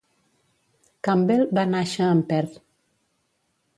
Campbell va nàixer en Perth.